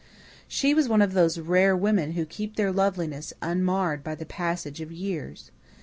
She was one of those rare women who keep their loveliness unmarred by the passage of years.